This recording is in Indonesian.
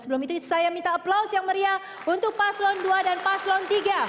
sebelum itu saya minta aplaus yang meriah untuk paslon dua dan paslon tiga